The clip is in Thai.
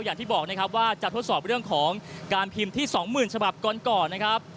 อย่างที่บอกนะครับว่าจะทดสอบเรื่องของการพิมพ์ที่๒๐๐๐ฉบับก่อนนะครับ